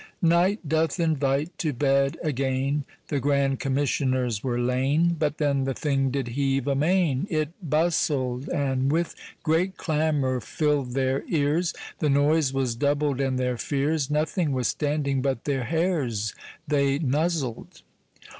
Night doth invite to bed again, The grand Commissioners were lain, But then the thing did heave amain, It busled, And with great clamor fil'd their eares, The noyse was doubled, and their feares; Nothing was standing but their haires, They nuzled.